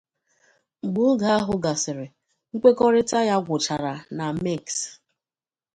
Mgbe oge ahụ gasịrị, nkwekọrịta ya gwụchara na Minsk.